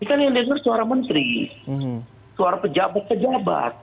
bukan yang dengar suara menteri suara pejabat pejabat